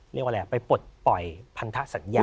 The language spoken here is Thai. เรียกว่าอะไรไปปลดปล่อยพันธสัญญา